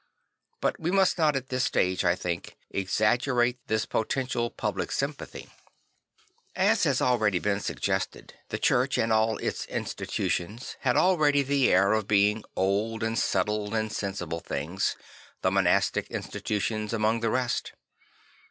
But we must not at this stage, I think, exaggerate this potential public sympathy. As 7 0 St. Francis of Assisi has already been suggested, the Church and all its institutions had already the air of being old and settled and sensible things, the monastic institutions among the rest.